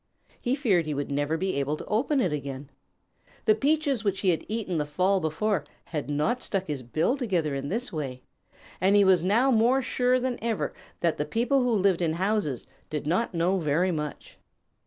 He feared he would never be able to open it again. The peaches which he had eaten the fall before had not stuck his bill together in this way, and he was now more sure than ever that the people who lived in houses did not know very much.